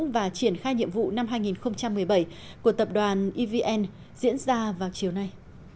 và triển khai nhiệm vụ năm hai nghìn một mươi bảy của tập đoàn evn diễn ra vào chiều nay